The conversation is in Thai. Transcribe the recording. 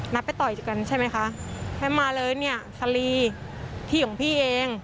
ไปต่อยกันใช่ไหมคะให้มาเลยเนี่ยสรีที่ของพี่เอง